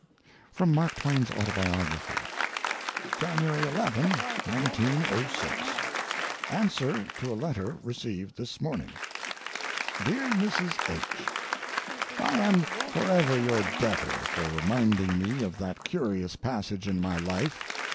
......................... From Mark Twain's Autobiography. January 11, 1906. Answer to a letter received this morning: DEAR MRS. H., I am forever your debtor for reminding me of that curious passage in my life.